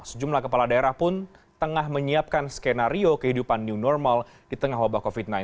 sejumlah kepala daerah pun tengah menyiapkan skenario kehidupan new normal di tengah wabah covid sembilan belas